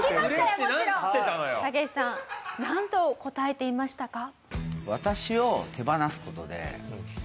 タケシさんなんと答えていましたか？